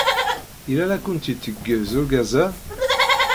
Yella la kent-yetteggez urgaz-a?